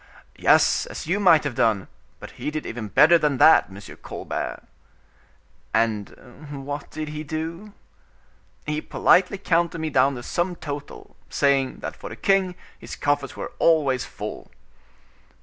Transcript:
"Yes, as you might have done; but he did even better than that, M. Colbert." "And what did he do?" "He politely counted me down the sum total, saying, that for the king, his coffers were always full."